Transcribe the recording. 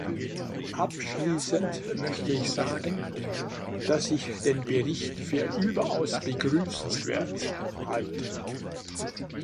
Abschließend möchte ich sagen, dass ich den Bericht für überaus begrüßenswert halte.